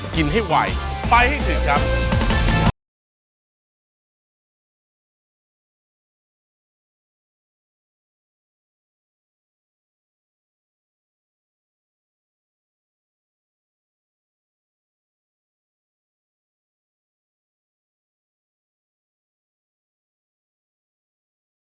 กินให้ไวไปให้ถึงครับ